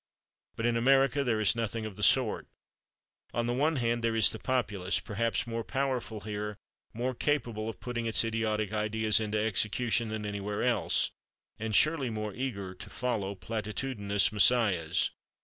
But in America there is nothing of the sort. On the one hand there is the populace—perhaps more powerful here, more capable of putting its idiotic ideas into execution, than anywhere else—and surely more eager to follow platitudinous messiahs.